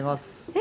え？